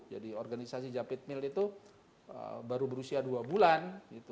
jadi organisasi jump it mill itu baru berusia dua bulan